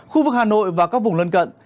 khu vực hà nội và các vùng lân cận